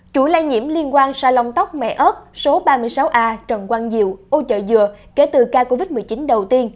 chủ lây nhiễm liên quan sa long tóc mẹ ớt số ba mươi sáu a trần quang diệu ô chợ dừa kể từ ca covid một mươi chín đầu tiên